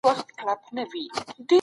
حتی په سختو شرایطو کې.